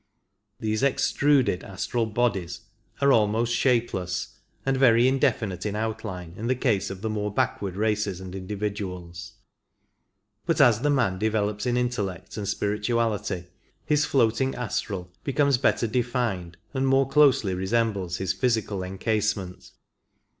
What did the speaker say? These extruded s^trs^l 22 bodies are almost shapeless and very indefinite in outline in the case of the more backward races and individuals, but as the man develops in intellect and spirituality his floating astral becomes better defined and more closely resembles his physical encasement.